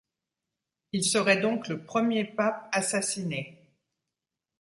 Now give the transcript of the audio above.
Il serait donc le premier pape assassiné.